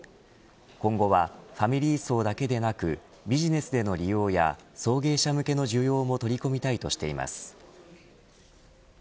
今後はファミリー層だけでなくビジネスでの利用や送迎者向けの需要も取り込みたいとしています。